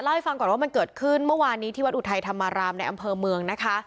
ให้ฟังก่อนว่ามันเกิดขึ้นเมื่อวานนี้ที่วัดอุทัยธรรมารามในอำเภอเมืองนะคะ